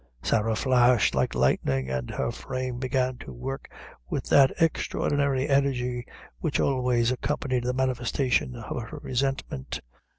Sarah flashed like lightning, and her frame began to work with that extraordinary energy which always accompanied the manifestation of her resentment.